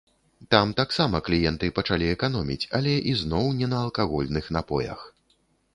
Там таксама кліенты пачалі эканоміць, але ізноў не на алкагольных напоях.